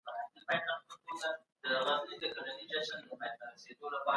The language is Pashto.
موږ اندازه نه زده کوو.